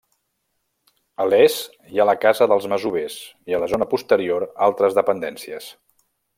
A l'est hi ha la casa dels masovers, i a la zona posterior altres dependències.